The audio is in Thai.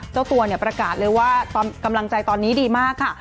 เจ้าตัวเนี่ยประกาศเลยว่ากำลังใจตอนนี้ดีมากค่ะ